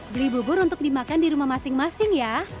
beli bubur untuk dimakan di rumah masing masing ya